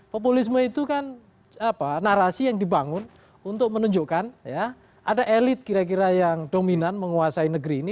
populisme itu kan narasi yang dibangun untuk menunjukkan ya ada elit kira kira yang dominan menguasai negeri ini